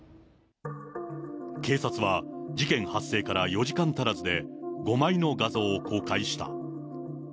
警察は、事件発生から４時間足らずで、５枚の画像を公開した。